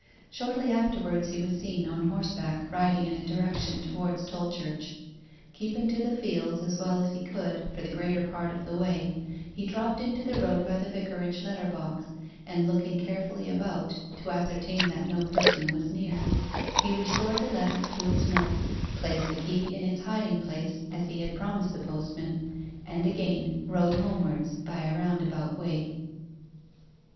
Shortly afterwards he was seen, on horseback, riding in a direction towards Tolchurch. Keeping to the fields, as well as he could, for the greater part of the way, he dropped into the road by the vicarage letter box, and looking carefully about, to ascertain that no person was near, he restored the letter to its nook, placed the key in its hiding place, as he had promised the postman, and again rode homewards by a roundabout way.